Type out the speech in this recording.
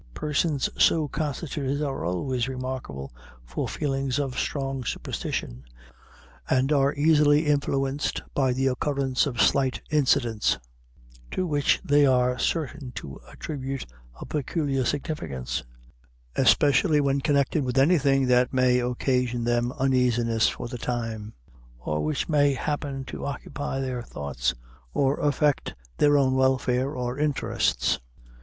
Persons so constituted are always remarkable for feelings of strong superstition, and are easily influenced by the occurrence of slight incidents, to which they are certain to attribute a peculiar significance, especially when connected with anything that may occasion them uneasiness for the time, or which may happen to occupy their thoughts, or affect their own welfare or interests.